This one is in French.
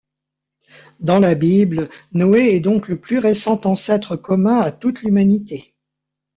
Dans la Bible, Noé est donc le plus récent ancêtre commun à toute l'humanité.